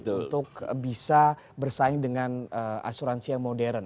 untuk bisa bersaing dengan asuransi yang modern